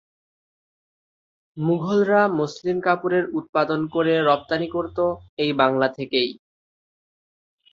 মুঘলরা muslin কাপড়ের উৎপাদন করে রপ্তানী করত এই বাংলা থেকেই।